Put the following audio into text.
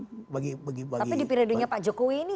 tapi di periodenya pak jokowi ini